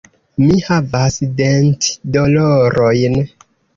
Mi havas dentdolorojn.